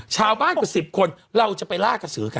กว่า๑๐คนเราจะไปล่ากระสือกัน